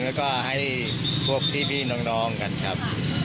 แล้วก็ให้พวกพี่น้องกันครับ